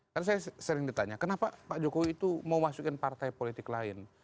karena saya sering ditanya kenapa pak jokowi itu mau masukin partai politik lain